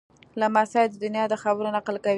لمسی د نیا د خبرو نقل کوي.